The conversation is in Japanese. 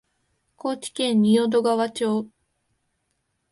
高知県仁淀川町